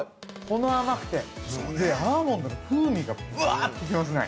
ほの甘くて、アーモンドの風味がぶわっと来ますね。